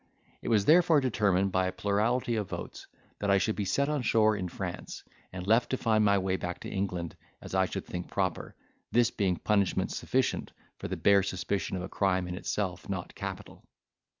It was therefore determined by a plurality of votes, that I should be set on shore in France, and left to find my way back to England, as I should think proper, this being punishment sufficient for the bare suspicion of a crime in itself not capital.